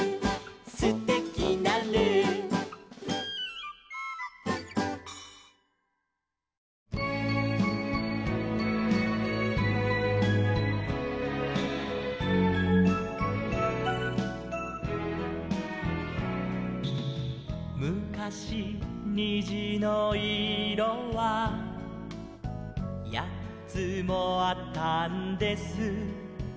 「すてきなルー」「むかしにじのいろはやっつもあったんです」